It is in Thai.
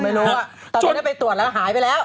ไม่รู้ว่าตอนนี้ไปตรวจแล้วหายไปแล้ว